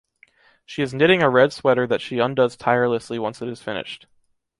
She is knitting a red sweater that she undoes tirelessly once it is finished.